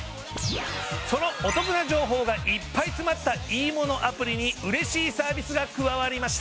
そのお得な情報がいっぱい詰まったいいものアプリにうれしいサービスが加わりました。